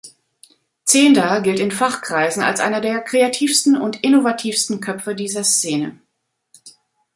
Zehnder gilt in Fachkreisen als einer der kreativsten und innovativsten Köpfe dieser Szene.